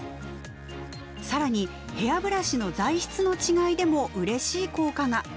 更にヘアブラシの材質の違いでもうれしい効果が。